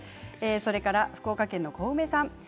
福岡県の方からです。